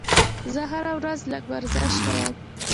زه هره ورځ لږ ورزش کوم.